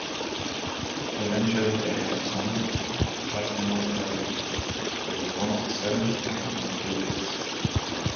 Eventually they had a son Parthenopaios, who was one of the Seven against Thebes.